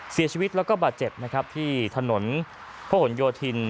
เสียชีวิตและบาดเจ็บที่ถนนพระหลโยธิน